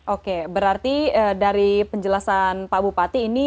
oke berarti dari penjelasan pak bupati ini